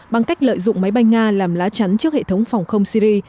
bằng cách lợi dụng máy bay nga làm lá chắn trước hệ thống phòng không syri